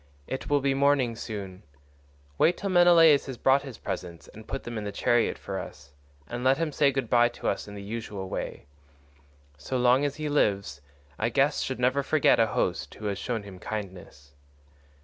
It will be morning soon; wait till Menelaus has brought his presents and put them in the chariot for us; and let him say good bye to us in the usual way. So long as he lives a guest should never forget a host who has shown him kindness."